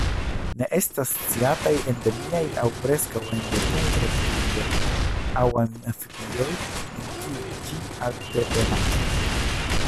Ne estas sciataj endemiaj aŭ preskaŭ endemiaj reptilioj aŭ amfibioj en tiu ĉi altebenaĵo.